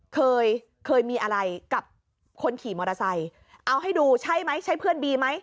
เคยเคยมีอะไรกับคนขี่มอเตอร์ไซค์เอาให้ดูใช่ไหมใช่เพื่อนบีไหม